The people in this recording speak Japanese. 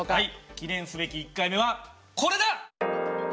記念すべき１回目はこれだ！